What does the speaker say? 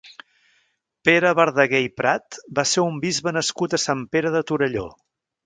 Pere Verdaguer i Prat va ser un bisbe nascut a Sant Pere de Torelló.